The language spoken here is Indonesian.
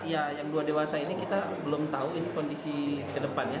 yang dua dewasa ini kita belum tahu kondisi ke depannya